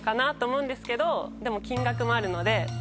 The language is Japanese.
でも金額もあるので。